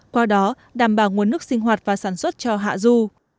qua đó đảm bảo nguồn nước sinh hoạt và sản xuất cho hạ du